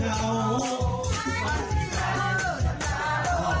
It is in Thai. อะเฮ้อไอร์วน